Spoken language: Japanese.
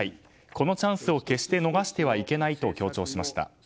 このチャンスを決して逃してはいけないと強調しました。